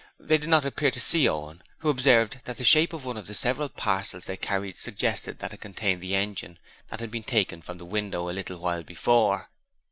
They did not appear to see Owen, who observed that the shape of one of several parcels they carried suggested that it contained the engine that had been taken from the window a little while before.